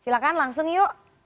silahkan langsung yuk